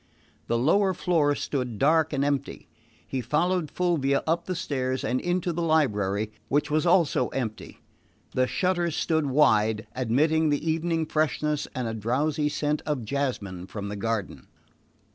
The lower floor stood dark and empty. He followed Fulvia up the stairs and into the library, which was also empty. The shutters stood wide, admitting the evening freshness and a drowsy scent of jasmine from the garden.